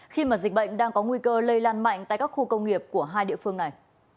khi mà dịch bệnh đang có nguy cơ lây lan mạnh tại các khu công nghiệp của hai địa phương này